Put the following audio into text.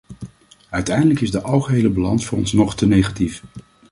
Uiteindelijk is de algehele balans voor ons nog te negatief.